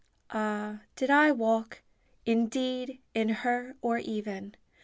Ah, did I walk, Indeed, in her or even?